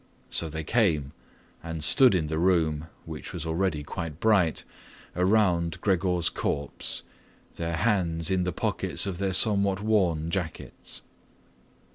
So they came and stood in the room, which was already quite bright, around Gregor's corpse, their hands in the pockets of their somewhat worn jackets.